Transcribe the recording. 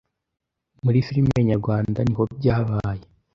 muri filme nyarwanda niho byabaye